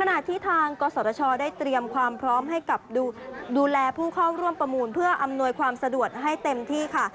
ขณะที่ทางกศชได้เตรียมความพร้อมให้กับดูแลผู้เข้าร่วมประมูลเพื่ออำนวยความสะดวกให้เต็มที่ค่ะ